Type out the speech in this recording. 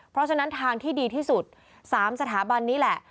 เพราะฉะนั้นทางที่ดีที่สุด๓สถาบันนี้แหละ